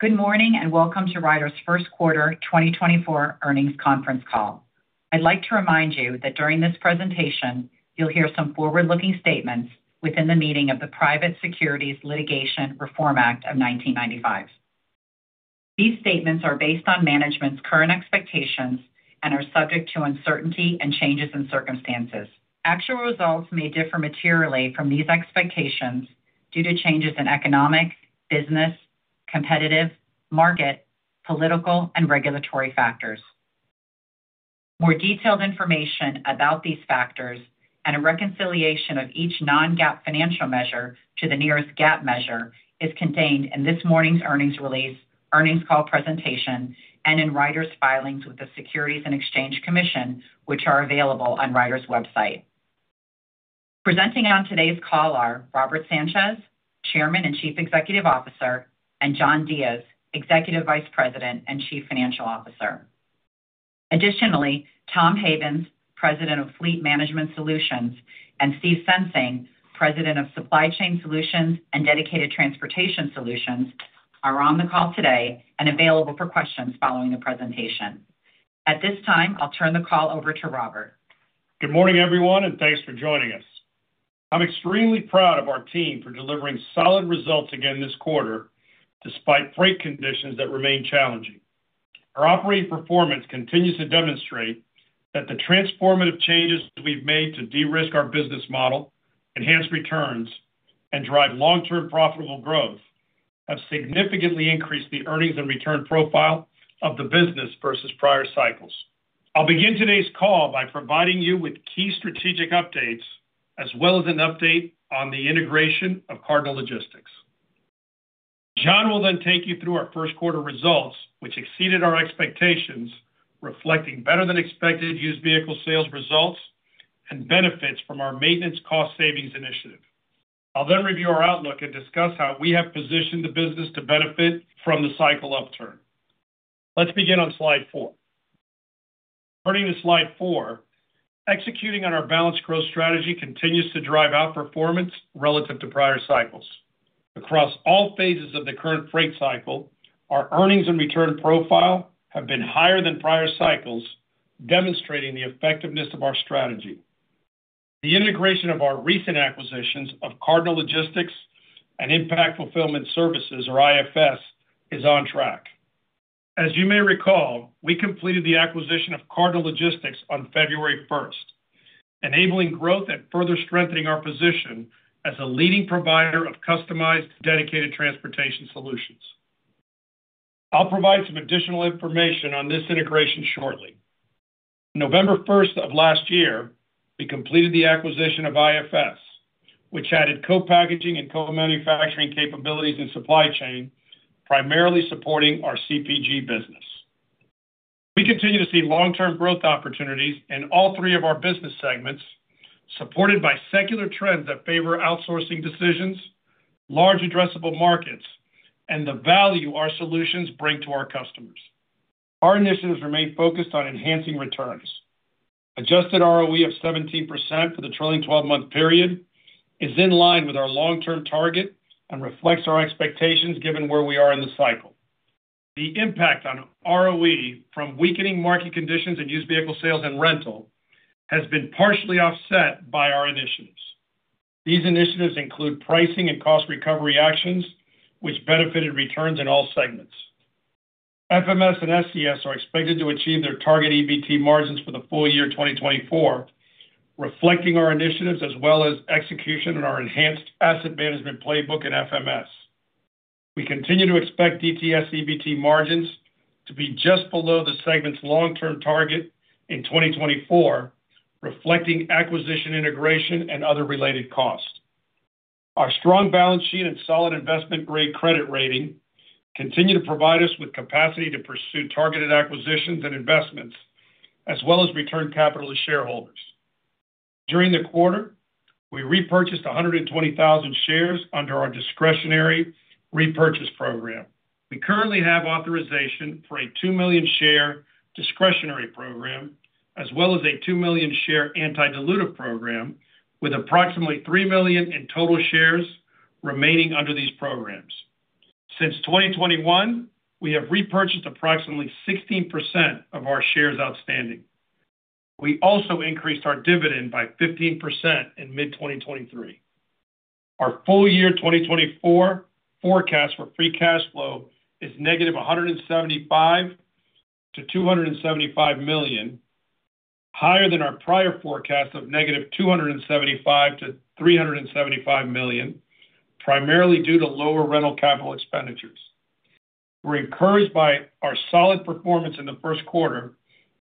Good morning and welcome to Ryder's Q1 2024 Earnings Conference Call. I'd like to remind you that during this presentation you'll hear some forward-looking statements within the meaning of the Private Securities Litigation Reform Act of 1995. These statements are based on management's current expectations and are subject to uncertainty and changes in circumstances. Actual results may differ materially from these expectations due to changes in economic, business, competitive, market, political, and regulatory factors. More detailed information about these factors and a reconciliation of each non-GAAP financial measure to the nearest GAAP measure is contained in this morning's earnings release, earnings call presentation, and in Ryder's filings with the Securities and Exchange Commission, which are available on Ryder's website. Presenting on today's call are Robert Sanchez, Chairman and Chief Executive Officer, and John Diez, Executive Vice President and Chief Financial Officer. Additionally, Tom Havens, President of Fleet Management Solutions, and Steve Sensing, President of Supply Chain Solutions and Dedicated Transportation Solutions, are on the call today and available for questions following the presentation. At this time, I'll turn the call over to Robert. Good morning, everyone, and thanks for joining us. I'm extremely proud of our team for delivering solid results again this quarter despite freight conditions that remain challenging. Our operating performance continues to demonstrate that the transformative changes we've made to de-risk our business model, enhance returns, and drive long-term profitable growth have significantly increased the earnings and return profile of the business versus prior cycles. I'll begin today's call by providing you with key strategic updates as well as an update on the integration of Cardinal Logistics. John will then take you through our Q1 results, which exceeded our expectations, reflecting better-than-expected used vehicle sales results and benefits from our maintenance cost savings initiative. I'll then review our outlook and discuss how we have positioned the business to benefit from the cycle upturn. Let's begin on slide four. Turning to slide four, executing on our balanced growth strategy continues to drive out performance relative to prior cycles. Across all phases of the current freight cycle, our earnings and return profile have been higher than prior cycles, demonstrating the effectiveness of our strategy. The integration of our recent acquisitions of Cardinal Logistics and Impact Fulfillment Services, or IFS, is on track. As you may recall, we completed the acquisition of Cardinal Logistics on February 1st, enabling growth and further strengthening our position as a leading provider of customized, Dedicated Transportation Solutions. I'll provide some additional information on this integration shortly. 1 November of last year, we completed the acquisition of IFS, which added co-packaging and co-manufacturing capabilities in supply chain, primarily supporting our CPG business. We continue to see long-term growth opportunities in all three of our business segments, supported by secular trends that favor outsourcing decisions, large addressable markets, and the value our solutions bring to our customers. Our initiatives remain focused on enhancing returns. Adjusted ROE of 17% for the trailing 12-month period is in line with our long-term target and reflects our expectations given where we are in the cycle. The impact on ROE from weakening market conditions in used vehicle sales and rental has been partially offset by our initiatives. These initiatives include pricing and cost recovery actions, which benefited returns in all segments. FMS and SCS are expected to achieve their target EBT margins for the full year 2024, reflecting our initiatives as well as execution in our enhanced asset management playbook in FMS. We continue to expect DTS EBT margins to be just below the segment's long-term target in 2024, reflecting acquisition integration and other related costs. Our strong balance sheet and solid investment-grade credit rating continue to provide us with capacity to pursue targeted acquisitions and investments, as well as return capital to shareholders. During the quarter, we repurchased 120,000 shares under our discretionary repurchase program. We currently have authorization for a 2 million share discretionary program, as well as a 2 million share anti-dilutive program, with approximately 3 million in total shares remaining under these programs. Since 2021, we have repurchased approximately 16% of our shares outstanding. We also increased our dividend by 15% in mid-2023. Our full year 2024 forecast for free cash flow is negative $175 million-$275 million, higher than our prior forecast of negative $275 million-$375 million, primarily due to lower rental capital expenditures. We're encouraged by our solid performance in the Q1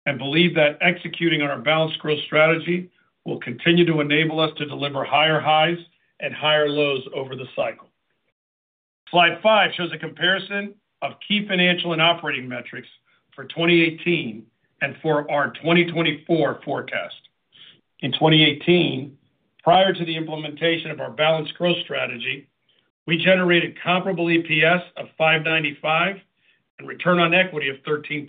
and believe that executing on our balanced growth strategy will continue to enable us to deliver higher highs and higher lows over the cycle. Slide 5 shows a comparison of key financial and operating metrics for 2018 and for our 2024 forecast. In 2018, prior to the implementation of our balanced growth strategy, we generated comparable EPS of $5.95 and return on equity of 13%.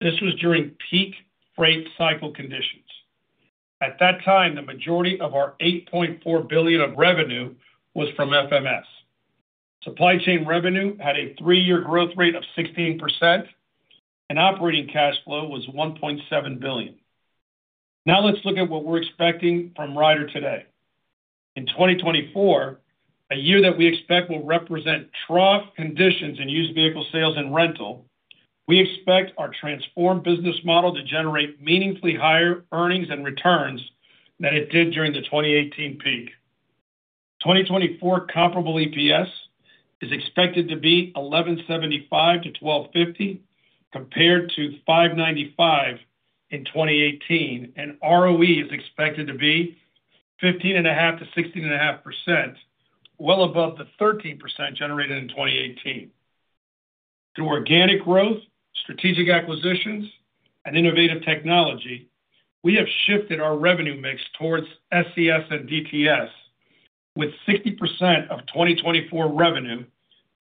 This was during peak freight cycle conditions. At that time, the majority of our $8.4 billion of revenue was from FMS. Supply chain revenue had a three-year growth rate of 16%, and operating cash flow was $1.7 billion. Now let's look at what we're expecting from Ryder today. In 2024, a year that we expect will represent trough conditions in used vehicle sales and rental, we expect our transformed business model to generate meaningfully higher earnings and returns than it did during the 2018 peak. 2024 comparable EPS is expected to be $11.75-$12.50 compared to $5.95 in 2018, and ROE is expected to be 15.5%-16.5%, well above the 13% generated in 2018. Through organic growth, strategic acquisitions, and innovative technology, we have shifted our revenue mix towards SCS and DTS, with 60% of 2024 revenue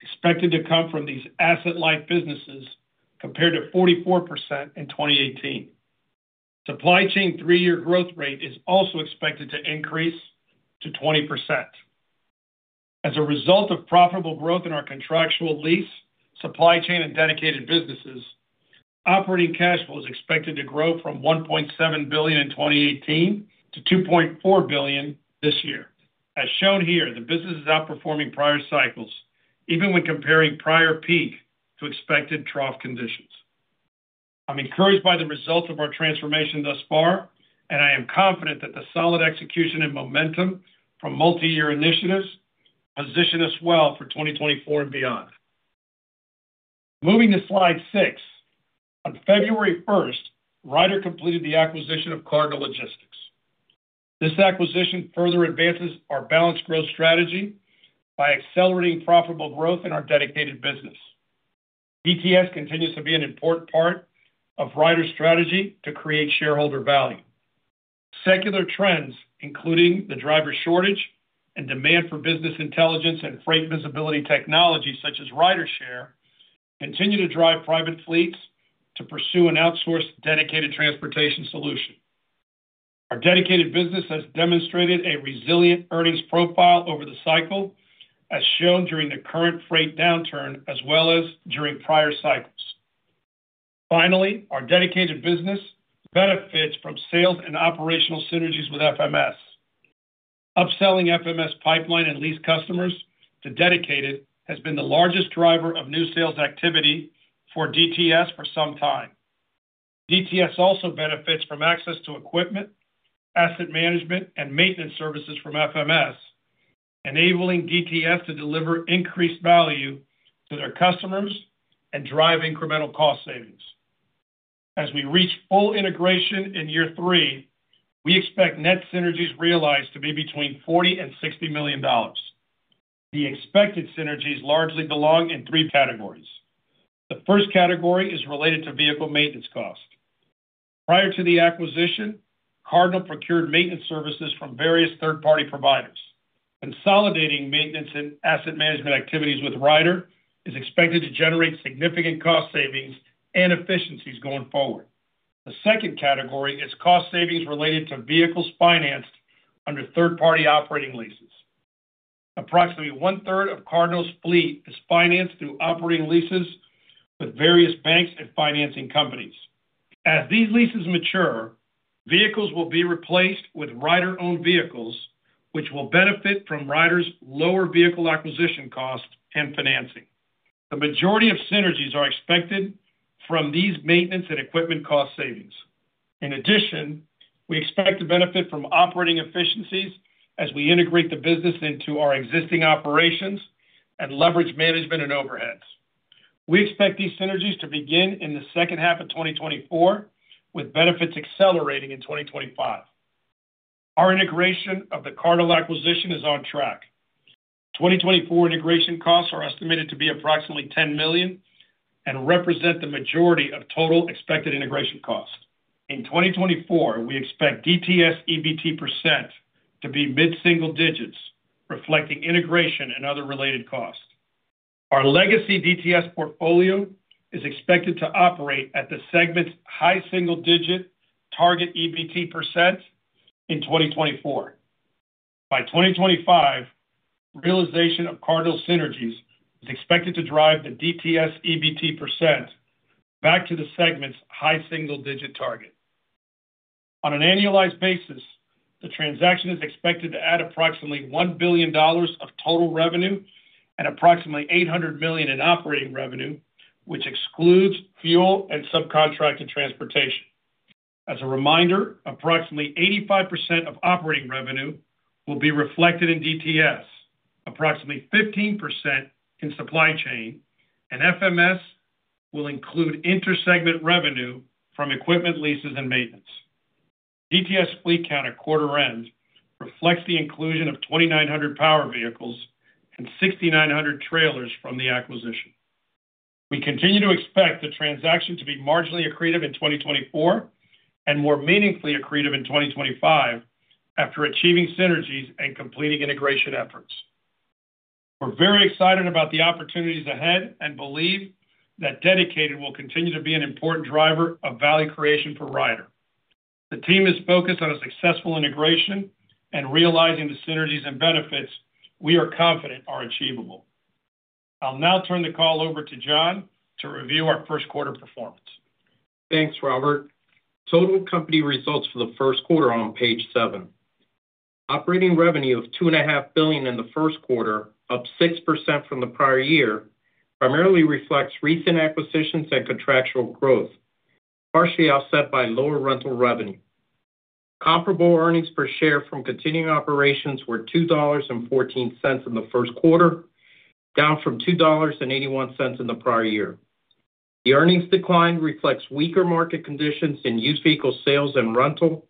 expected to come from these asset-like businesses compared to 44% in 2018. Supply chain three-year growth rate is also expected to increase to 20%. As a result of profitable growth in our contractual lease, supply chain, and dedicated businesses, operating cash flow is expected to grow from $1.7 billion in 2018 to $2.4 billion this year. As shown here, the business is outperforming prior cycles, even when comparing prior peak to expected trough conditions. I'm encouraged by the results of our transformation thus far, and I am confident that the solid execution and momentum from multi-year initiatives position us well for 2024 and beyond. Moving to slide 6. On 1 February, Ryder completed the acquisition of Cardinal Logistics. This acquisition further advances our balanced growth strategy by accelerating profitable growth in our Dedicated business. DTS continues to be an important part of Ryder's strategy to create shareholder value. Secular trends, including the driver shortage and demand for business intelligence and freight visibility technology such as RyderShare, continue to drive private fleets to pursue an outsourced Dedicated Transportation Solution. Our dedicated business has demonstrated a resilient earnings profile over the cycle, as shown during the current freight downturn as well as during prior cycles. Finally, our dedicated business benefits from sales and operational synergies with FMS. Upselling FMS pipeline and lease customers to dedicated has been the largest driver of new sales activity for DTS for some time. DTS also benefits from access to equipment, asset management, and maintenance services from FMS, enabling DTS to deliver increased value to their customers and drive incremental cost savings. As we reach full integration in year three, we expect net synergies realized to be between $40 million and $60 million. The expected synergies largely belong in three categories. The first category is related to vehicle maintenance costs. Prior to the acquisition, Cardinal procured maintenance services from various third-party providers. Consolidating maintenance and asset management activities with Ryder is expected to generate significant cost savings and efficiencies going forward. The second category is cost savings related to vehicles financed under third-party operating leases. Approximately1/3 of Cardinal's fleet is financed through operating leases with various banks and financing companies. As these leases mature, vehicles will be replaced with Ryder-owned vehicles, which will benefit from Ryder's lower vehicle acquisition costs and financing. The majority of synergies are expected from these maintenance and equipment cost savings. In addition, we expect to benefit from operating efficiencies as we integrate the business into our existing operations and leverage management and overheads. We expect these synergies to begin in the H2 of 2024, with benefits accelerating in 2025. Our integration of the Cardinal acquisition is on track. 2024 integration costs are estimated to be approximately $10 million and represent the majority of total expected integration costs. In 2024, we expect DTS EBT % to be mid-single digits, reflecting integration and other related costs. Our legacy DTS portfolio is expected to operate at the segment's high single-digit target EBT % in 2024. By 2025, realization of Cardinal synergies is expected to drive the DTS EBT % back to the segment's high single-digit target. On an annualized basis, the transaction is expected to add approximately $1 billion of total revenue and approximately $800 million in operating revenue, which excludes fuel and subcontracted transportation. As a reminder, approximately 85% of operating revenue will be reflected in DTS, approximately 15% in supply chain, and FMS will include intersegment revenue from equipment leases and maintenance. DTS fleet count at quarter end reflects the inclusion of 2,900 power vehicles and 6,900 trailers from the acquisition. We continue to expect the transaction to be marginally accretive in 2024 and more meaningfully accretive in 2025 after achieving synergies and completing integration efforts. We're very excited about the opportunities ahead and believe that dedicated will continue to be an important driver of value creation for Ryder. The team is focused on a successful integration and realizing the synergies and benefits we are confident are achievable. I'll now turn the call over to John to review our Q1 performance. Thanks, Robert. Total company results for the Q1 on page seven. Operating revenue of $2.5 billion in the Q1, up 6% from the prior year, primarily reflects recent acquisitions and contractual growth, partially offset by lower rental revenue. Comparable earnings per share from continuing operations were $2.14 in the Q1, down from $2.81 in the prior year. The earnings decline reflects weaker market conditions in used vehicle sales and rental,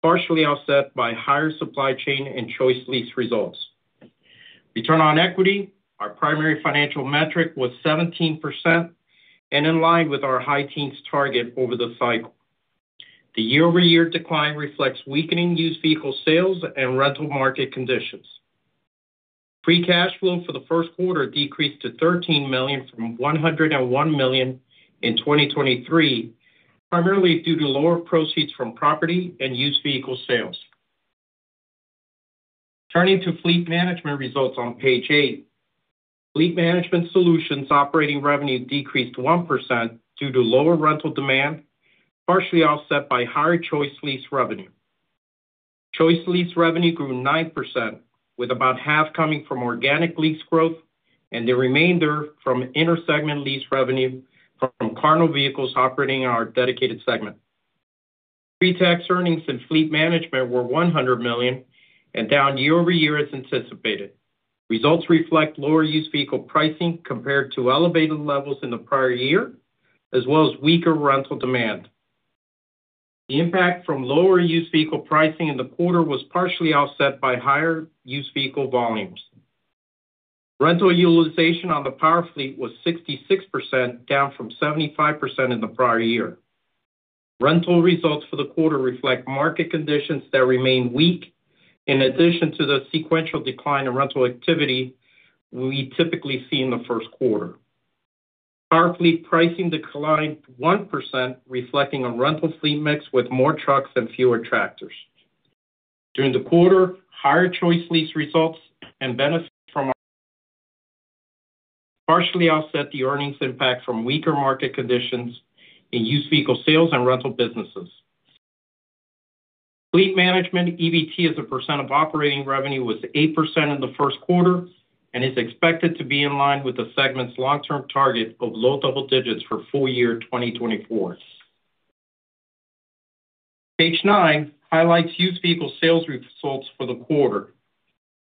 partially offset by higher supply chain and ChoiceLease results. Return on equity, our primary financial metric, was 17% and in line with our high teens target over the cycle. The year-over-year decline reflects weakening used vehicle sales and rental market conditions. Free cash flow for the Q1 decreased to $13 million from $101 million in 2023, primarily due to lower proceeds from property and used vehicle sales. Turning to fleet management results on page 8. Fleet Management Solutions operating revenue decreased 1% due to lower rental demand, partially offset by higher ChoiceLease revenue. ChoiceLease revenue grew 9%, with about half coming from organic lease growth and the remainder from intersegment lease revenue from Cardinal vehicles operating our dedicated segment. Pre-tax earnings in fleet management were $100 million and down year-over-year as anticipated. Results reflect lower used vehicle pricing compared to elevated levels in the prior year, as well as weaker rental demand. The impact from lower used vehicle pricing in the quarter was partially offset by higher used vehicle volumes. Rental utilization on the power fleet was 66%, down from 75% in the prior year. Rental results for the quarter reflect market conditions that remain weak, in addition to the sequential decline in rental activity we typically see in the Q1. Power fleet pricing declined 1%, reflecting a rental fleet mix with more trucks and fewer tractors. During the quarter, higher ChoiceLease results and benefits from partially offset the earnings impact from weaker market conditions in used vehicle sales and rental businesses. Fleet management EBT as a percent of operating revenue was 8% in the Q1 and is expected to be in line with the segment's long-term target of low double digits for full year 2024. Page nine highlights used vehicle sales results for the quarter.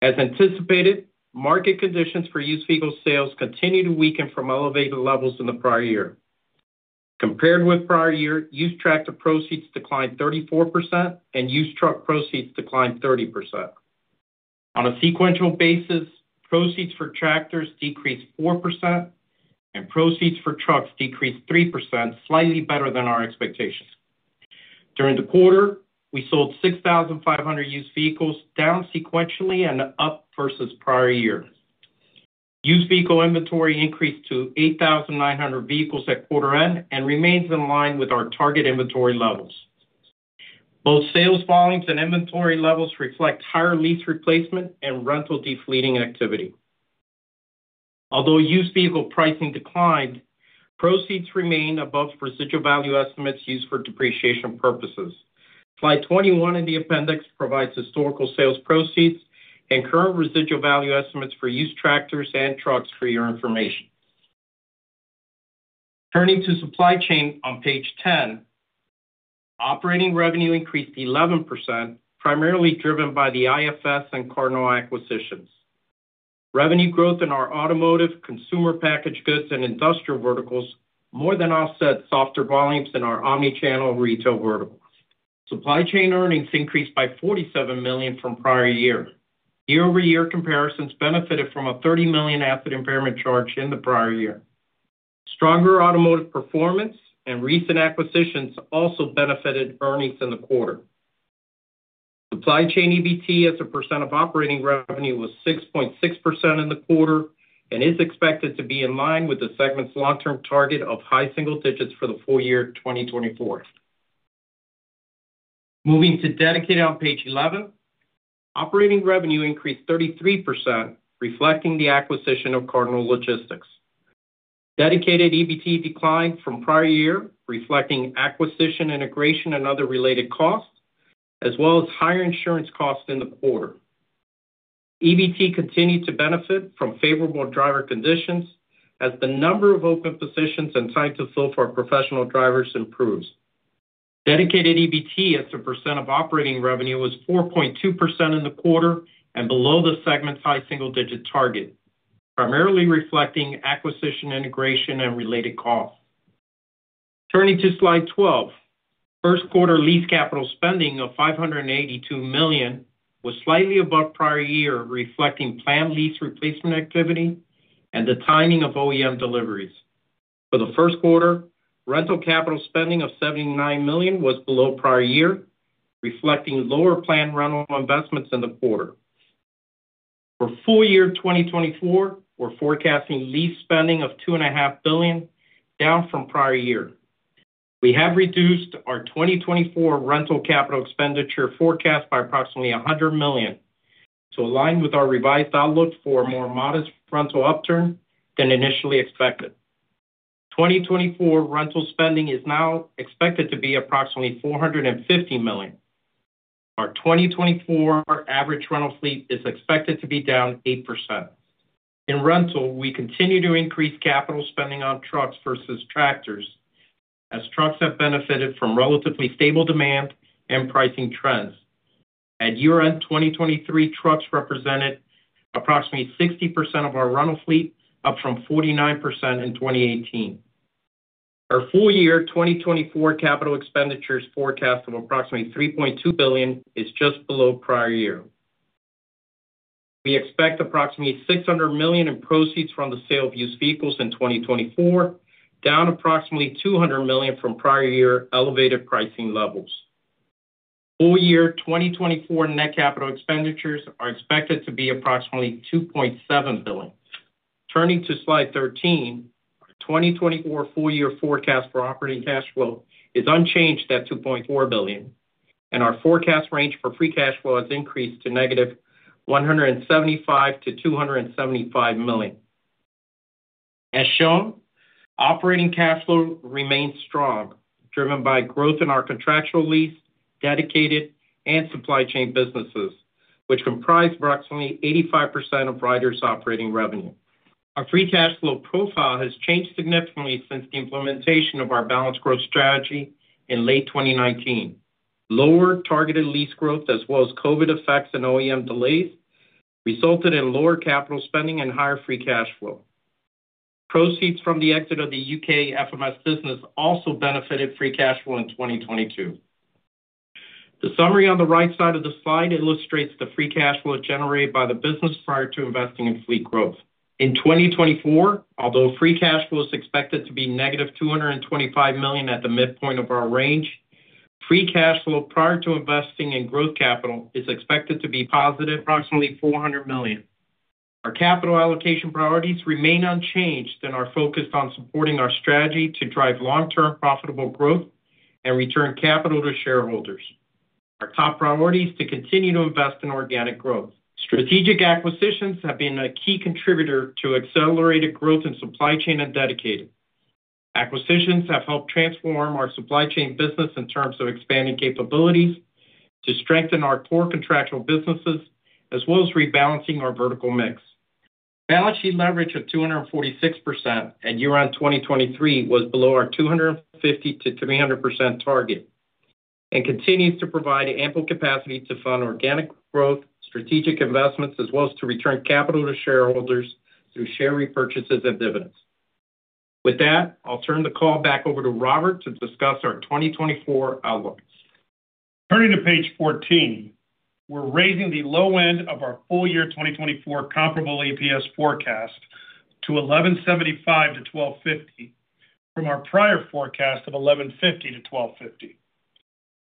As anticipated, market conditions for used vehicle sales continue to weaken from elevated levels in the prior year. Compared with prior year, used tractor proceeds declined 34% and used truck proceeds declined 30%. On a sequential basis, proceeds for tractors decreased 4% and proceeds for trucks decreased 3%, slightly better than our expectations. During the quarter, we sold 6,500 used vehicles, down sequentially and up versus prior year. Used vehicle inventory increased to 8,900 vehicles at quarter end and remains in line with our target inventory levels. Both sales volumes and inventory levels reflect higher lease replacement and rental defleeting activity. Although used vehicle pricing declined, proceeds remain above residual value estimates used for depreciation purposes. Slide 21 in the appendix provides historical sales proceeds and current residual value estimates for used tractors and trucks for your information. Turning to supply chain on page 10. Operating revenue increased 11%, primarily driven by the IFS and Cardinal acquisitions. Revenue growth in our automotive, consumer package goods, and industrial verticals more than offset softer volumes in our omnichannel retail verticals. Supply Chain earnings increased by $47 million from prior year. Year-over-year comparisons benefited from a $30 million asset impairment charge in the prior year. Stronger automotive performance and recent acquisitions also benefited earnings in the quarter. Supply Chain EBT as a percent of operating revenue was 6.6% in the quarter and is expected to be in line with the segment's long-term target of high single digits for the full year 2024. Moving to dedicated on page 11. Operating revenue increased 33%, reflecting the acquisition of Cardinal Logistics. Dedicated EBT declined from prior year, reflecting acquisition, integration, and other related costs, as well as higher insurance costs in the quarter. EBT continued to benefit from favorable driver conditions as the number of open positions and time to fill for professional drivers improves. Dedicated EBT as a percent of operating revenue was 4.2% in the quarter and below the segment's high single digit target, primarily reflecting acquisition, integration, and related costs. Turning to slide 12. Q1 lease capital spending of $582 million was slightly above prior year, reflecting planned lease replacement activity and the timing of OEM deliveries. For the Q1, rental capital spending of $79 million was below prior year, reflecting lower planned rental investments in the quarter. For full year 2024, we're forecasting lease spending of $2.5 billion, down from prior year. We have reduced our 2024 rental capital expenditure forecast by approximately $100 million, to align with our revised outlook for a more modest rental upturn than initially expected. 2024 rental spending is now expected to be approximately $450 million. Our 2024 average rental fleet is expected to be down 8%. In rental, we continue to increase capital spending on trucks versus tractors, as trucks have benefited from relatively stable demand and pricing trends. At year-end 2023, trucks represented approximately 60% of our rental fleet, up from 49% in 2018. Our full year 2024 capital expenditures forecast of approximately $3.2 billion is just below prior year. We expect approximately $600 million in proceeds from the sale of used vehicles in 2024, down approximately $200 million from prior year elevated pricing levels. Full year 2024 net capital expenditures are expected to be approximately $2.7 billion. Turning to slide 13. Our 2024 full year forecast for operating cash flow is unchanged at $2.4 billion, and our forecast range for free cash flow has increased to -$175 million to $275 million. As shown, operating cash flow remains strong, driven by growth in our contractual lease, dedicated, and supply chain businesses, which comprise approximately 85% of Ryder's operating revenue. Our free cash flow profile has changed significantly since the implementation of our balanced growth strategy in late 2019. Lower targeted lease growth, as well as COVID effects and OEM delays, resulted in lower capital spending and higher free cash flow. Proceeds from the exit of the U.K. FMS business also benefited free cash flow in 2022. The summary on the right side of the slide illustrates the free cash flow generated by the business prior to investing in fleet growth. In 2024, although free cash flow is expected to be -$225 million at the midpoint of our range, free cash flow prior to investing in growth capital is expected to be positive approximately $400 million. Our capital allocation priorities remain unchanged and are focused on supporting our strategy to drive long-term profitable growth and return capital to shareholders. Our top priorities are to continue to invest in organic growth. Strategic acquisitions have been a key contributor to accelerated growth in supply chain and dedicated. Acquisitions have helped transform our supply chain business in terms of expanding capabilities to strengthen our core contractual businesses, as well as rebalancing our vertical mix. Balance sheet leverage of 246% at year-end 2023 was below our 250%-300% target and continues to provide ample capacity to fund organic growth, strategic investments, as well as to return capital to shareholders through share repurchases and dividends. With that, I'll turn the call back over to Robert to discuss our 2024 outlook. Turning to page 14. We're raising the low end of our full year 2024 Comparable EPS forecast to $11.75-$12.50 from our prior forecast of $11.50-$12.50.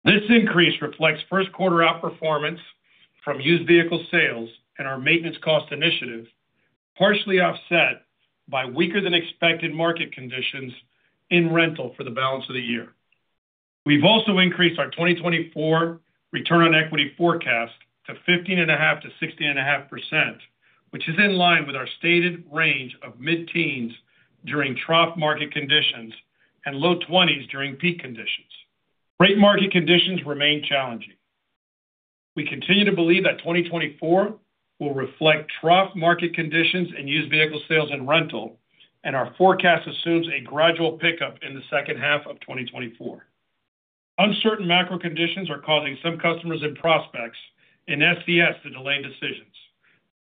This increase reflects Q1 outperformance from used vehicle sales and our maintenance cost initiative, partially offset by weaker than expected market conditions in rental for the balance of the year. We've also increased our 2024 return on equity forecast to 15.5%-16.5%, which is in line with our stated range of mid-teens during trough market conditions and low 20s during peak conditions. Rate market conditions remain challenging. We continue to believe that 2024 will reflect trough market conditions in used vehicle sales and rental, and our forecast assumes a gradual pickup in the H2 of 2024. Uncertain macro conditions are causing some customers and prospects in SCS to delay decisions,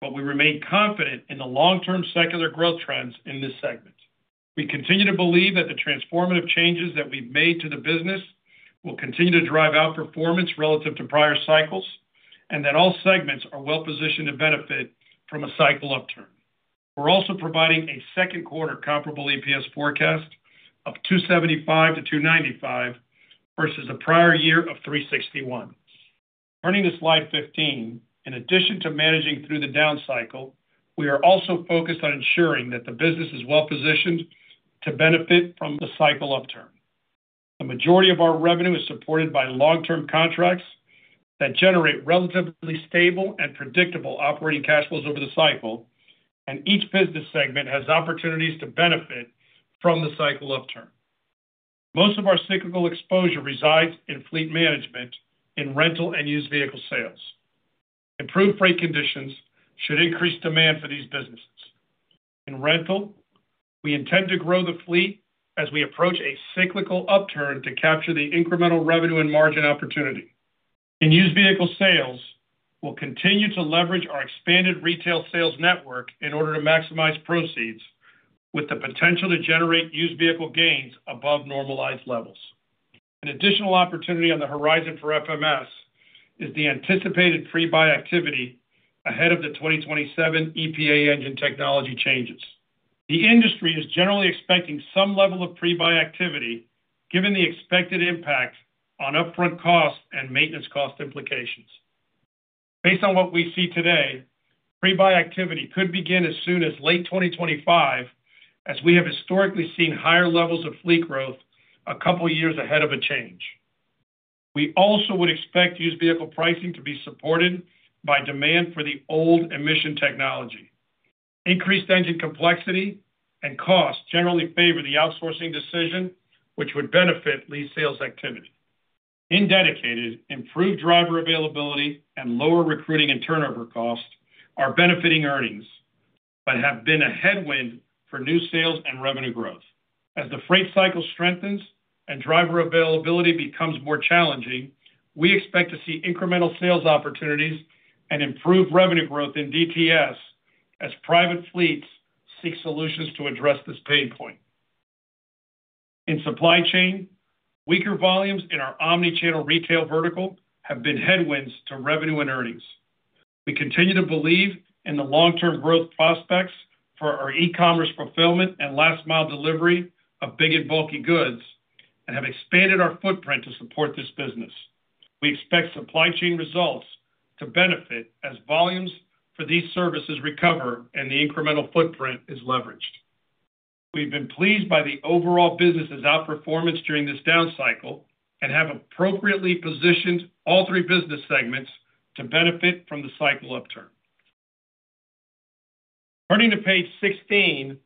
but we remain confident in the long-term secular growth trends in this segment. We continue to believe that the transformative changes that we've made to the business will continue to drive outperformance relative to prior cycles and that all segments are well positioned to benefit from a cycle upturn. We're also providing a Q2 comparable EPS forecast of $2.75-$2.95 versus a prior year of $3.61. Turning to slide 15. In addition to managing through the down cycle, we are also focused on ensuring that the business is well positioned to benefit from the cycle upturn. The majority of our revenue is supported by long-term contracts that generate relatively stable and predictable operating cash flows over the cycle, and each business segment has opportunities to benefit from the cycle upturn. Most of our cyclical exposure resides in fleet management, in rental and used vehicle sales. Improved freight conditions should increase demand for these businesses. In rental, we intend to grow the fleet as we approach a cyclical upturn to capture the incremental revenue and margin opportunity. In used vehicle sales, we'll continue to leverage our expanded retail sales network in order to maximize proceeds, with the potential to generate used vehicle gains above normalized levels. An additional opportunity on the horizon for FMS is the anticipated pre-buy activity ahead of the 2027 EPA engine technology changes. The industry is generally expecting some level of pre-buy activity, given the expected impact on upfront cost and maintenance cost implications. Based on what we see today, pre-buy activity could begin as soon as late 2025, as we have historically seen higher levels of fleet growth a couple of years ahead of a change. We also would expect used vehicle pricing to be supported by demand for the old emission technology. Increased engine complexity and cost generally favor the outsourcing decision, which would benefit lease sales activity. In dedicated, improved driver availability and lower recruiting and turnover costs are benefiting earnings but have been a headwind for new sales and revenue growth. As the freight cycle strengthens and driver availability becomes more challenging, we expect to see incremental sales opportunities and improved revenue growth in DTS as private fleets seek solutions to address this pain point. In supply chain, weaker volumes in our omnichannel retail vertical have been headwinds to revenue and earnings. We continue to believe in the long-term growth prospects for our e-commerce fulfillment and last mile delivery of big and bulky goods and have expanded our footprint to support this business. We expect supply chain results to benefit as volumes for these services recover and the incremental footprint is leveraged. We've been pleased by the overall business's outperformance during this down cycle and have appropriately positioned all three business segments to benefit from the cycle upturn. Turning to page 16.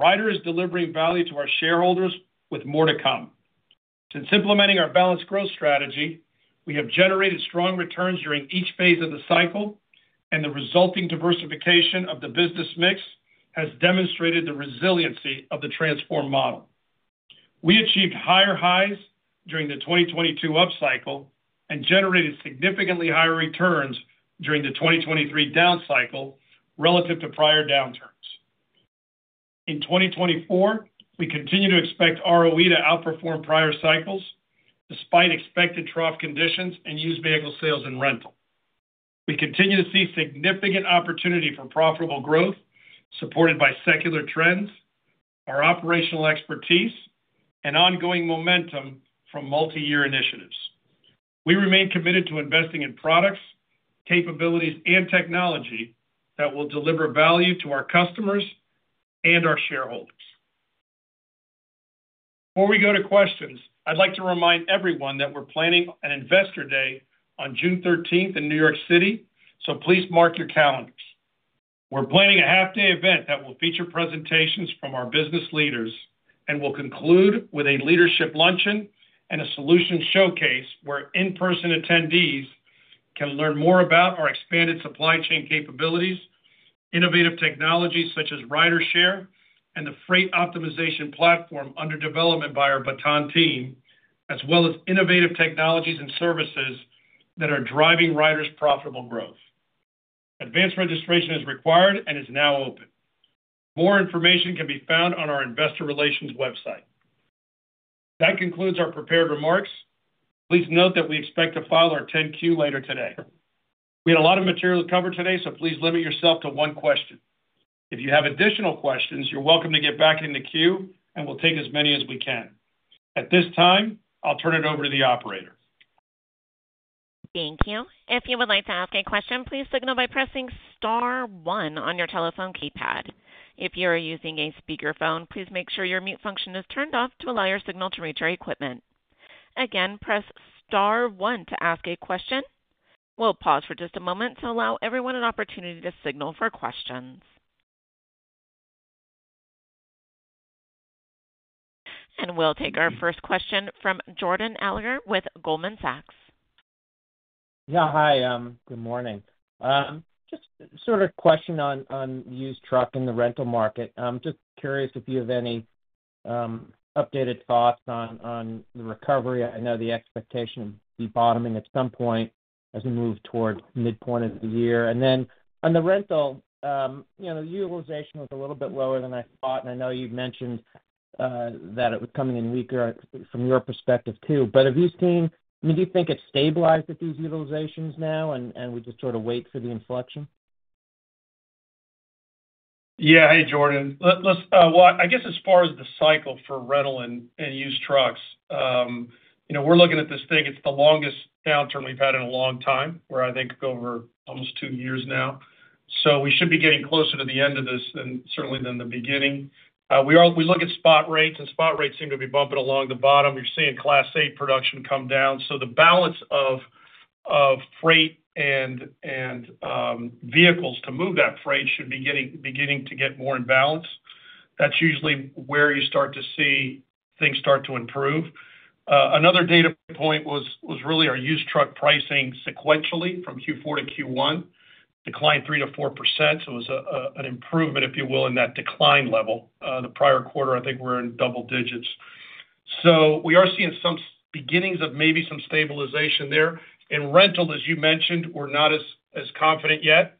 Ryder is delivering value to our shareholders with more to come. Since implementing our balanced growth strategy, we have generated strong returns during each phase of the cycle, and the resulting diversification of the business mix has demonstrated the resiliency of the transformed model. We achieved higher highs during the 2022 up cycle and generated significantly higher returns during the 2023 down cycle relative to prior downturns. In 2024, we continue to expect ROE to outperform prior cycles despite expected trough conditions in used vehicle sales and rental. We continue to see significant opportunity for profitable growth supported by secular trends, our operational expertise, and ongoing momentum from multi-year initiatives. We remain committed to investing in products, capabilities, and technology that will deliver value to our customers and our shareholders. Before we go to questions, I'd like to remind everyone that we're planning an investor day on 13 June in New York City, so please mark your calendars. We're planning a half-day event that will feature presentations from our business leaders and will conclude with a leadership luncheon and a solution showcase where in-person attendees can learn more about our expanded supply chain capabilities, innovative technologies such as RyderShare and the freight optimization platform under development by our Baton team, as well as innovative technologies and services that are driving Ryder's profitable growth. Advanced registration is required and is now open. More information can be found on our investor relations website. That concludes our prepared remarks. Please note that we expect to file our 10-Q later today. We had a lot of material to cover today, so please limit yourself to one question. If you have additional questions, you're welcome to get back in the queue, and we'll take as many as we can. At this time, I'll turn it over to the operator. Thank you. If you would like to ask a question, please signal by pressing star one on your telephone keypad. If you are using a speakerphone, please make sure your mute function is turned off to allow your signal to reach your equipment. Again, press star one to ask a question. We'll pause for just a moment to allow everyone an opportunity to signal for questions. We'll take our first question from Jordan Alliger with Goldman Sachs. Yeah, hi. Good morning. Just sort of question on used truck in the rental market. I'm just curious if you have any updated thoughts on the recovery. I know the expectation would be bottoming at some point as we move toward midpoint of the year. And then on the rental, utilization was a little bit lower than I thought, and I know you've mentioned that it was coming in weaker from your perspective too. But have you seen? I mean, do you think it stabilized at these utilizations now, and we just sort of wait for the inflection? Yeah. Hey, Jordan. I guess as far as the cycle for rental and used trucks, we're looking at this thing. It's the longest downturn we've had in a long time, where I think it's over almost two years now. So we should be getting closer to the end of this, certainly than the beginning. We look at spot rates, and spot rates seem to be bumping along the bottom. You're seeing Class 8 production come down. So the balance of freight and vehicles to move that freight should be beginning to get more in balance. That's usually where you start to see things start to improve. Another data point was really our used truck pricing sequentially from Q4 to Q1, decline 3%-4%. So it was an improvement, if you will, in that decline level. The prior quarter, I think we were in double digits. So we are seeing some beginnings of maybe some stabilization there. In rental, as you mentioned, we're not as confident yet.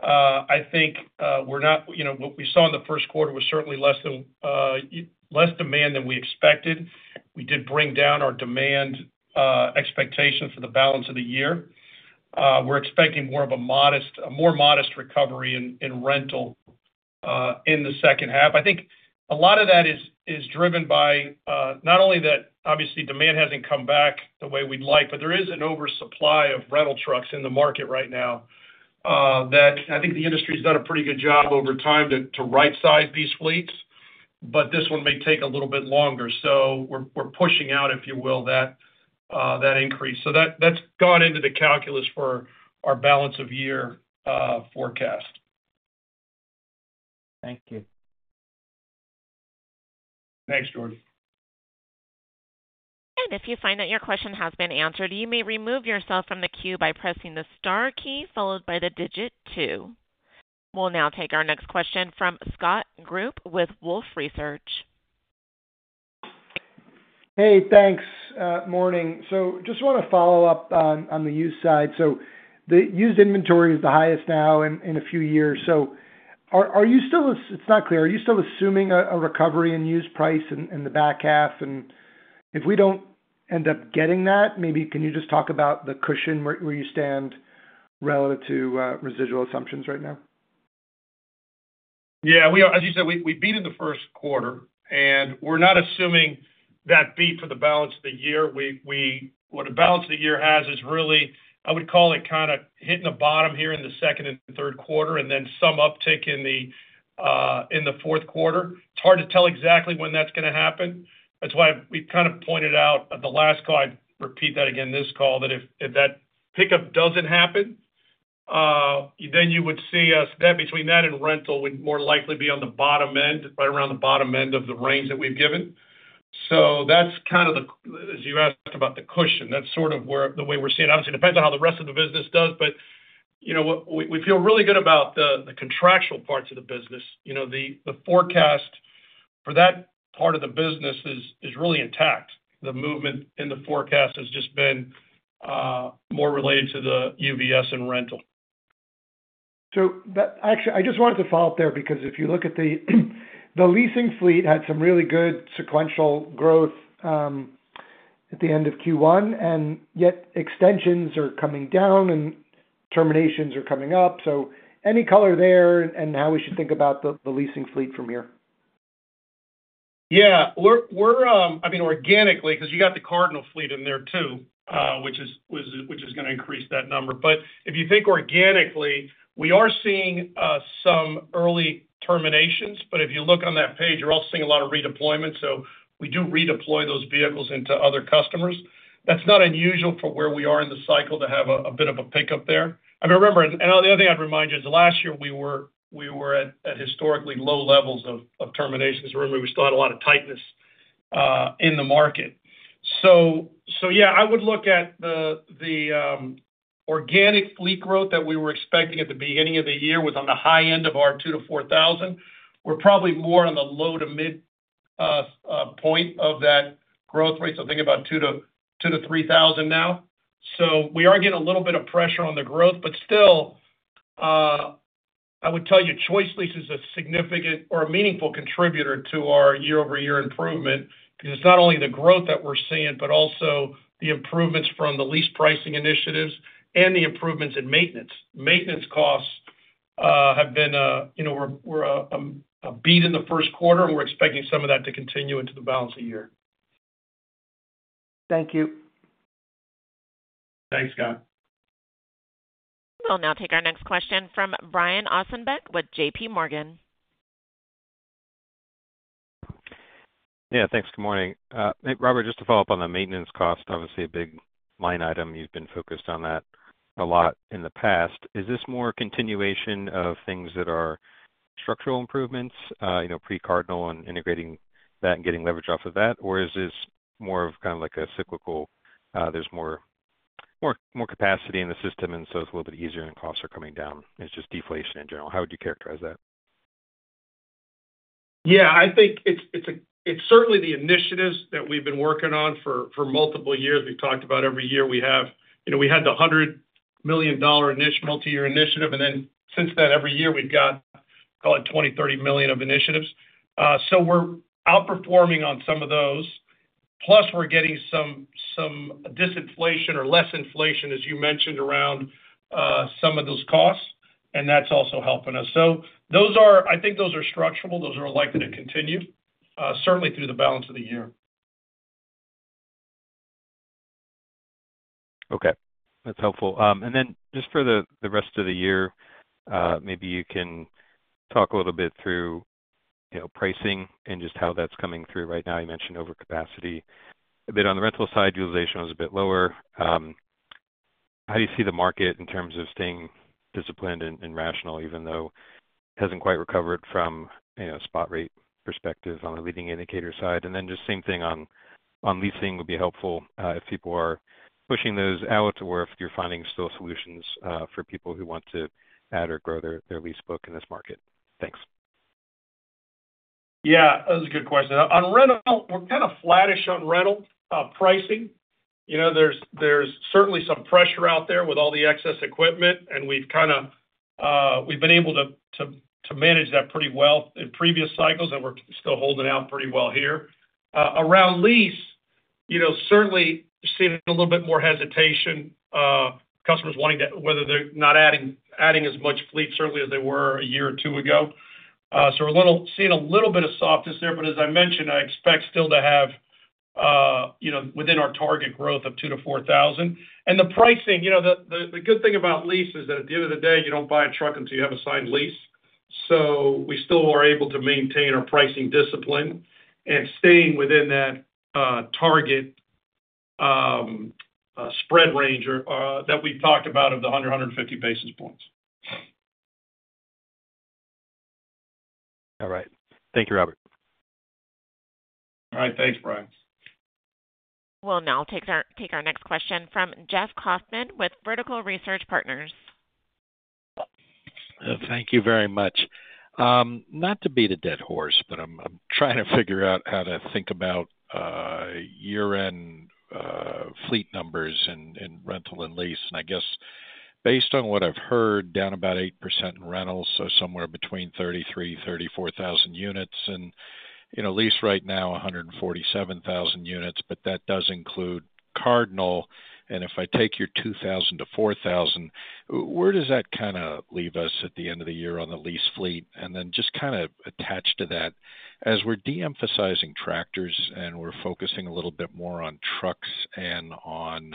I think we're not what we saw in the Q1 was certainly less demand than we expected. We did bring down our demand expectation for the balance of the year. We're expecting more of a modest recovery in rental in the H2. I think a lot of that is driven by not only that, obviously, demand hasn't come back the way we'd like, but there is an oversupply of rental trucks in the market right now that I think the industry has done a pretty good job over time to right-size these fleets, but this one may take a little bit longer. So we're pushing out, if you will, that increase. So that's gone into the calculus for our balance of year forecast. Thank you. Thanks, Jordan. And if you find that your question has been answered, you may remove yourself from the queue by pressing the star key followed by the digit two. We'll now take our next question from Scott Group with Wolfe Research. Hey, thanks. Morning. So just want to follow up on the used side. So the used inventory is the highest now in a few years. So are you still? It's not clear. Are you still assuming a recovery in used price in the back half? And if we don't end up getting that, maybe can you just talk about the cushion where you stand relative to residual assumptions right now? Yeah. As you said, we beat in the Q1, and we're not assuming that beat for the balance of the year. What a balance of the year has is really, I would call it kind of hitting the bottom here in the second and Q3 and then some uptick in the Q4. It's hard to tell exactly when that's going to happen. That's why we've kind of pointed out at the last call. I'd repeat that again this call, that if that pickup doesn't happen, then you would see us between that and rental would more likely be on the bottom end, right around the bottom end of the range that we've given. So that's kind of the, as you asked about the cushion, that's sort of the way we're seeing it. Obviously, it depends on how the rest of the business does, but we feel really good about the contractual parts of the business. The forecast for that part of the business is really intact. The movement in the forecast has just been more related to the UVS and rental. So actually, I just wanted to follow up there because if you look at the leasing fleet had some really good sequential growth at the end of Q1, and yet extensions are coming down and terminations are coming up. So any color there and how we should think about the leasing fleet from here? Yeah. I mean, organically because you got the Cardinal fleet in there too, which is going to increase that number. But if you think organically, we are seeing some early terminations, but if you look on that page, you're also seeing a lot of redeployment. So we do redeploy those vehicles into other customers. That's not unusual for where we are in the cycle to have a bit of a pickup there. I mean, remember, and the other thing I'd remind you is last year we were at historically low levels of terminations. Remember, we still had a lot of tightness in the market. So yeah, I would look at the organic fleet growth that we were expecting at the beginning of the year was on the high end of our 2,000-4,000. We're probably more on the low to mid point of that growth rate. So think about 2,000-3,000 now. So we are getting a little bit of pressure on the growth, but still, I would tell you, ChoiceLease is a significant or a meaningful contributor to our year-over-year improvement because it's not only the growth that we're seeing, but also the improvements from the lease pricing initiatives and the improvements in maintenance. Maintenance costs have been we're a beat in the Q1, and we're expecting some of that to continue into the balance of year. Thank you. Thanks, Scott. We'll now take our next question from Brian Ossenbeck with JPMorgan. Yeah. Thanks. Good morning. Hey, Robert, just to follow up on the maintenance cost, obviously, a big line item. You've been focused on that a lot in the past. Is this more continuation of things that are structural improvements, pre-Cardinal, and integrating that and getting leverage off of that, or is this more of kind of like a cyclical? There's more capacity in the system, and so it's a little bit easier and costs are coming down. It's just deflation in general. How would you characterize that? Yeah. I think it's certainly the initiatives that we've been working on for multiple years. We've talked about every year. We had the $100 million multi-year initiative, and then since then, every year, we've got, call it, $20 million-$30 million of initiatives. So we're outperforming on some of those, plus we're getting some disinflation or less inflation, as you mentioned, around some of those costs, and that's also helping us. So I think those are structural. Those are likely to continue, certainly through the balance of the year. Okay. That's helpful. And then just for the rest of the year, maybe you can talk a little bit through pricing and just how that's coming through right now. You mentioned overcapacity. A bit on the rental side, utilization was a bit lower. How do you see the market in terms of staying disciplined and rational, even though it hasn't quite recovered from a spot rate perspective on the leading indicator side? And then just same thing on leasing would be helpful if people are pushing those out or if you're finding still solutions for people who want to add or grow their lease book in this market. Thanks. Yeah. That was a good question. On rental, we're kind of flat-ish on rental pricing. There's certainly some pressure out there with all the excess equipment, and we've kind of been able to manage that pretty well in previous cycles, and we're still holding out pretty well here. Around lease, certainly, seeing a little bit more hesitation, customers wanting to whether they're not adding as much fleet, certainly, as they were a year or two ago. So we're seeing a little bit of softness there, but as I mentioned, I expect still to have within our target growth of 2,000-4,000. And the pricing, the good thing about lease is that at the end of the day, you don't buy a truck until you have a signed lease. So we still are able to maintain our pricing discipline and staying within that target spread range that we've talked about of the 100-150 basis points. All right. Thank you, Robert. All right. Thanks, Brian. We'll now take our next question from Jeff Kauffman with Vertical Research Partners. Thank you very much. Not to beat a dead horse, but I'm trying to figure out how to think about year-end fleet numbers in rental and lease. And I guess based on what I've heard, down about 8% in rentals, so somewhere between 33,000-34,000 units, and lease right now, 147,000 units, but that does include Cardinal. If I take your 2,000-4,000, where does that kind of leave us at the end of the year on the lease fleet? And then just kind of attached to that, as we're de-emphasizing tractors and we're focusing a little bit more on trucks and on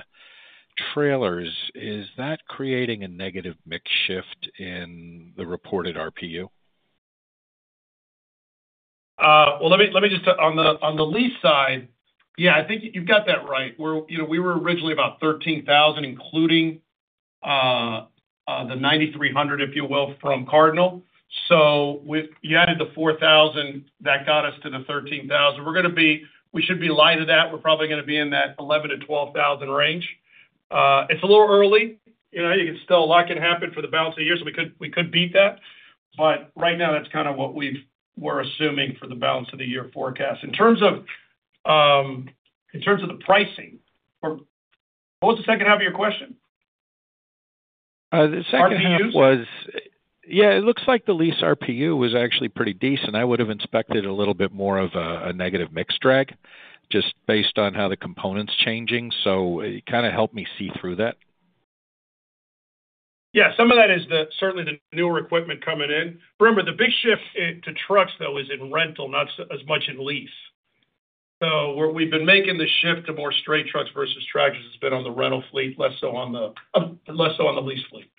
trailers, is that creating a negative mix shift in the reported RPU? Well, let me just on the lease side, yeah, I think you've got that right. We were originally about 13,000, including the 9,300, if you will, from Cardinal. So you added the 4,000. That got us to the 13,000. We should be light of that. We're probably going to be in that 11,000-12,000 range. It's a little early. You can still, a lot can happen for the balance of the year, so we could beat that. But right now, that's kind of what we were assuming for the balance of the year forecast. In terms of the pricing, what was the H2 of your question? The H2 was, yeah, it looks like the lease RPU was actually pretty decent. I would have expected a little bit more of a negative mix drag just based on how the components changing. So it kind of helped me see through that. Yeah. Some of that is certainly the newer equipment coming in. Remember, the big shift to trucks, though, is in rental, not as much in lease. So we've been making the shift to more straight trucks versus tractors has been on the rental fleet, less so on the lease fleet.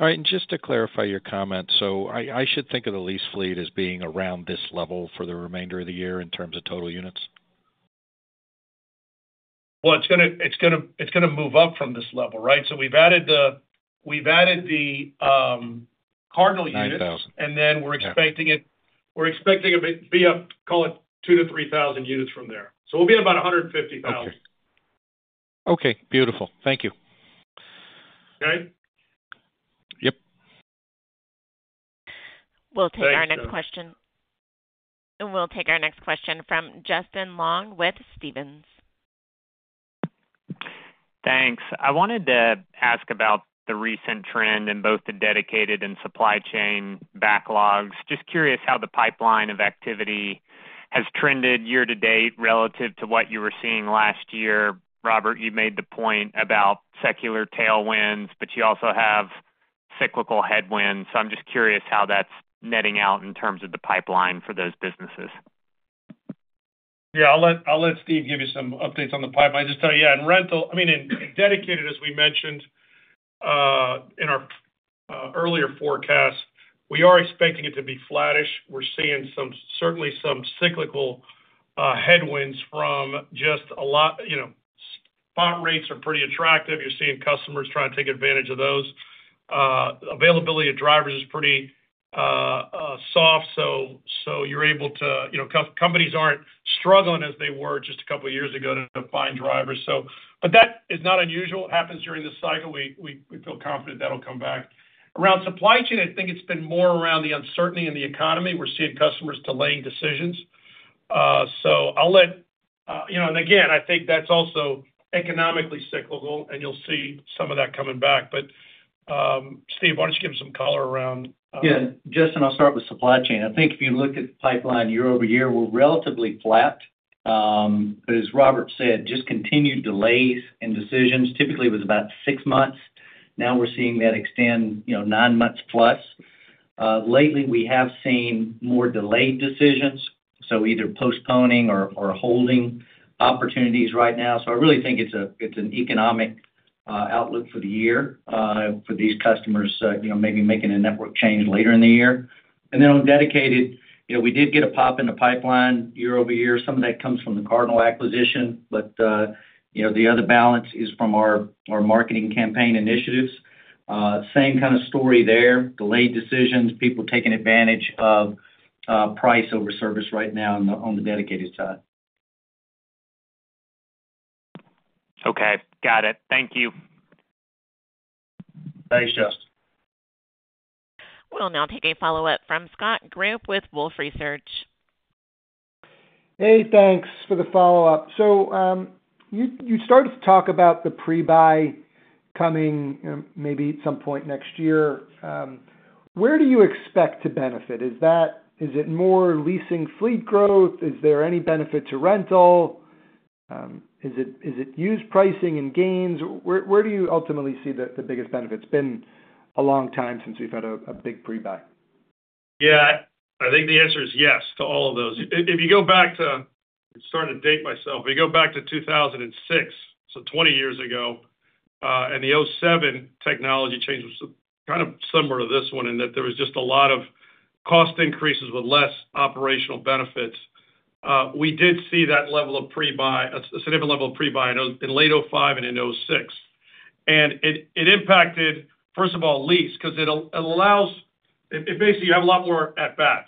All right. And just to clarify your comment, so I should think of the lease fleet as being around this level for the remainder of the year in terms of total units? Well, it's going to move up from this level, right? So we've added the Cardinal units, and then we're expecting it to be up, call it, 2,000-3,000 units from there. So we'll be at about 150,000. Okay. Okay. Beautiful. Thank you. Okay? Yep. We'll take our next question. And we'll take our next question from Justin Long with Stephens. Thanks. I wanted to ask about the recent trend in both the dedicated and supply chain backlogs. Just curious how the pipeline of activity has trended year to date relative to what you were seeing last year. Robert, you made the point about secular tailwinds, but you also have cyclical headwinds. So I'm just curious how that's netting out in terms of the pipeline for those businesses. Yeah. I'll let Steve give you some updates on the pipeline. I just tell you, yeah, in rental I mean, in dedicated, as we mentioned in our earlier forecast, we are expecting it to be flat-ish. We're seeing certainly some cyclical headwinds from just a lot spot rates are pretty attractive. You're seeing customers trying to take advantage of those. Availability of drivers is pretty soft, so you're able to companies aren't struggling as they were just a couple of years ago to find drivers. But that is not unusual. It happens during the cycle. We feel confident that'll come back. Around supply chain, I think it's been more around the uncertainty in the economy. We're seeing customers delaying decisions. So I'll let and again, I think that's also economically cyclical, and you'll see some of that coming back. But Steve, why don't you give us some color around? Yeah. Justin, I'll start with supply chain. I think if you look at the pipeline year-over-year, we're relatively flat. But as Robert said, just continued delays and decisions typically was about six months. Now we're seeing that extend nine months plus. Lately, we have seen more delayed decisions, so either postponing or holding opportunities right now. So I really think it's an economic outlook for the year for these customers, maybe making a network change later in the year. And then on dedicated, we did get a pop in the pipeline year-over-year. Some of that comes from the Cardinal acquisition, but the other balance is from our marketing campaign initiatives. Same kind of story there, delayed decisions, people taking advantage of price over service right now on the dedicated side. Okay. Got it. Thank you. Thanks, Justin. We'll now take a follow-up from Scott Group with Wolfe Research. Hey. Thanks for the follow-up. So you started to talk about the pre-buy coming maybe at some point next year. Where do you expect to benefit? Is it more leasing fleet growth? Is there any benefit to rental? Is it used pricing and gains? Where do you ultimately see the biggest benefit? It's been a long time since we've had a big pre-buy. Yeah. I think the answer is yes to all of those. If you go back to I'm starting to date myself. If you go back to 2006, so 20 years ago, and the 2007 technology change was kind of similar to this one in that there was just a lot of cost increases with less operational benefits, we did see that level of pre-buy, a significant level of pre-buy in late 2005 and in 2006. And it impacted, first of all, lease because it allows basically, you have a lot more at bat.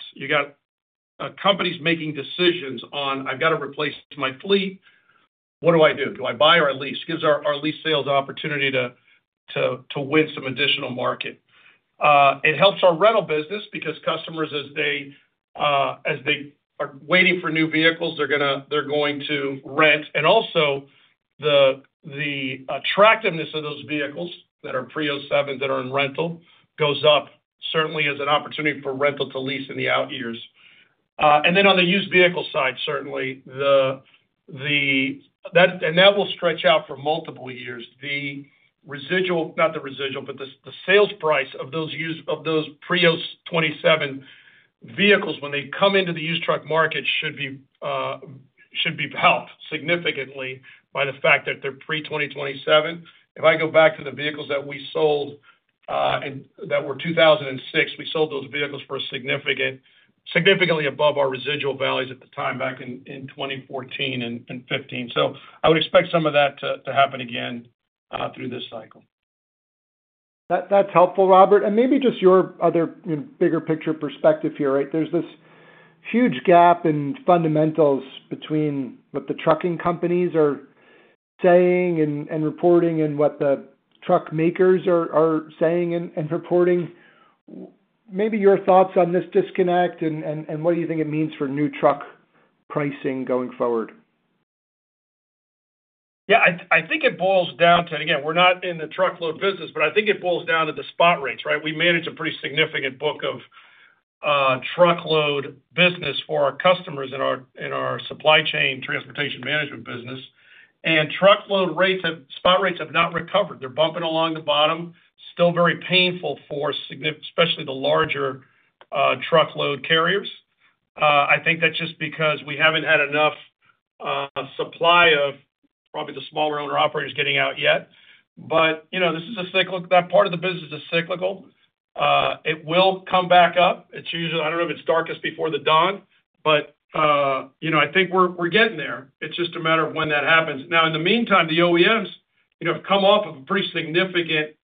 You got companies making decisions on, "I've got to replace my fleet. What do I do? Do I buy or I lease?" It gives our lease sales an opportunity to win some additional market. It helps our rental business because customers, as they are waiting for new vehicles, they're going to rent. And also, the attractiveness of those vehicles that are pre-2027s that are in rental goes up, certainly, as an opportunity for rental to lease in the out years. And then on the used vehicle side, certainly, and that will stretch out for multiple years. The residual not the residual, but the sales price of those pre-2027 vehicles, when they come into the used truck market, should be helped significantly by the fact that they're pre-2027. If I go back to the vehicles that we sold that were 2006, we sold those vehicles significantly above our residual values at the time back in 2014 and 2015. So I would expect some of that to happen again through this cycle. That's helpful, Robert. And maybe just your other bigger picture perspective here, right? There's this huge gap in fundamentals between what the trucking companies are saying and reporting and what the truck makers are saying and reporting. Maybe your thoughts on this disconnect and what do you think it means for new truck pricing going forward? Yeah. I think it boils down to and again, we're not in the truckload business, but I think it boils down to the spot rates, right? We manage a pretty significant book of truckload business for our customers in our supply chain transportation management business. And truckload rates have spot rates have not recovered. They're bumping along the bottom, still very painful for especially the larger truckload carriers. I think that's just because we haven't had enough supply of probably the smaller owner-operators getting out yet. But this is a cyclical that part of the business is cyclical. It will come back up. I don't know if it's darkest before the dawn, but I think we're getting there. It's just a matter of when that happens. Now, in the meantime, the OEMs have come off of a pretty significant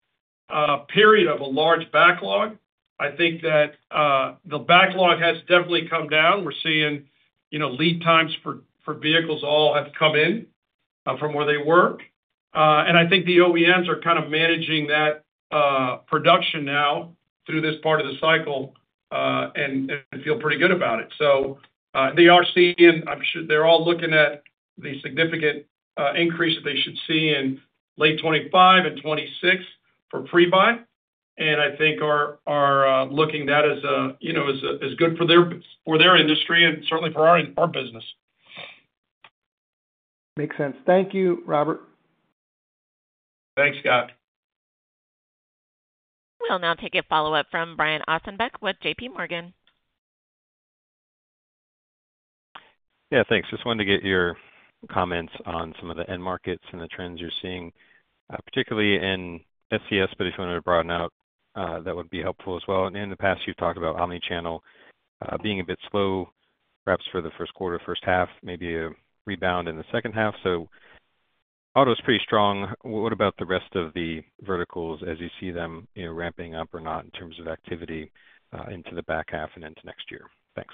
period of a large backlog. I think that the backlog has definitely come down. We're seeing lead times for vehicles all have come in from where they were. And I think the OEMs are kind of managing that production now through this part of the cycle and feel pretty good about it. So they are seeing I'm sure they're all looking at the significant increase that they should see in late 2025 and 2026 for pre-buy. And I think are looking that as good for their industry and certainly for our business. Makes sense. Thank you, Robert. Thanks, Scott. We'll now take a follow-up from Brian Ossenbeck with JP Morgan. Yeah. Thanks. Just wanted to get your comments on some of the end markets and the trends you're seeing, particularly in SCS, but if you wanted to broaden out, that would be helpful as well. In the past, you've talked about Omnichannel being a bit slow, perhaps for the Q1, H1, maybe a rebound in the H2. So auto is pretty strong. What about the rest of the verticals as you see them ramping up or not in terms of activity into the back half and into next year? Thanks.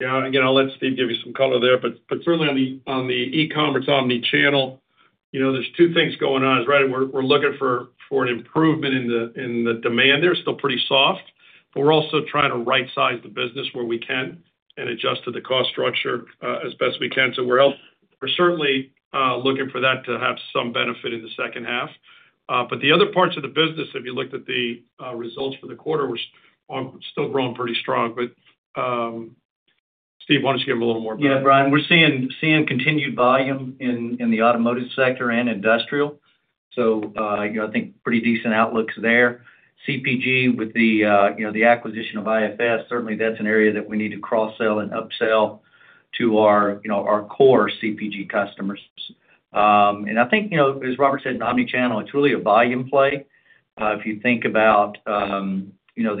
Yeah. Again, I'll let Steve give you some color there. But certainly, on the e-commerce Omnichannel, there's two things going on, is right? We're looking for an improvement in the demand. They're still pretty soft, but we're also trying to right-size the business where we can and adjust to the cost structure as best we can. We're certainly looking for that to have some benefit in the H2. But the other parts of the business, if you looked at the results for the quarter, were still growing pretty strong. But Steve, why don't you give them a little more background? Yeah, Brian. We're seeing continued volume in the automotive sector and industrial. So I think pretty decent outlooks there. CPG with the acquisition of IFS, certainly, that's an area that we need to cross-sell and upsell to our core CPG customers. And I think, as Robert said, in omnichannel, it's really a volume play if you think about the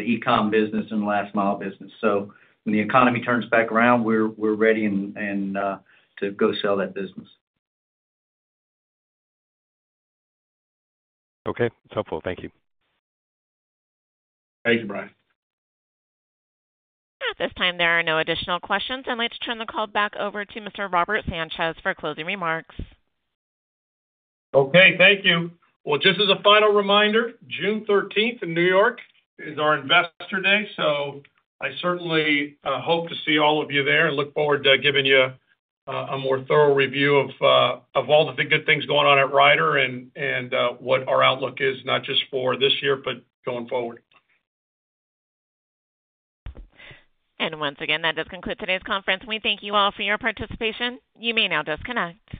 e-com business and the last-mile business. So when the economy turns back around, we're ready to go sell that business. Okay. That's helpful. Thank you. Thank you, Brian. At this time, there are no additional questions. Let's turn the call back over to Mr. Robert Sanchez for closing remarks. Okay. Thank you. Well, just as a final reminder, June 13th in New York is our Investor Day. So I certainly hope to see all of you there and look forward to giving you a more thorough review of all the good things going on at Ryder and what our outlook is, not just for this year, but going forward. Once again, that does conclude today's conference. We thank you all for your participation. You may now disconnect.